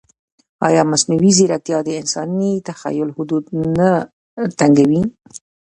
ایا مصنوعي ځیرکتیا د انساني تخیل حدود نه تنګوي؟